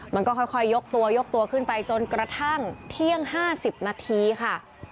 มันก็ค่อยยกตัวยกตัวขึ้นไปจนกระทั่งเที่ยง๕๐นาทีค่ะ